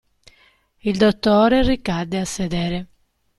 Il dottore ricadde a sedere.